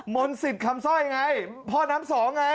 มนต์สิทธิ์คำสร้อยไงพ่อน้ำสองไง